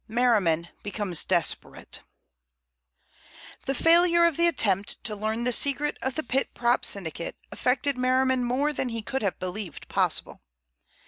MERRIMAN BECOMES DESPERATE The failure of the attempt to learn the secret of the Pit Prop Syndicate affected Merriman more than he could have believed possible.